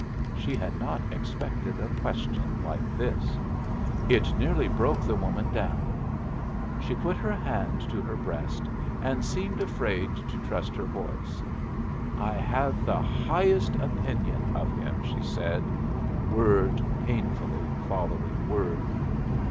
She had not expected a question like this. It nearly broke the woman down. She put her hand to her breast, and seemed afraid to trust her voice. "I have the highest opinion of him," she said, word painfully following word.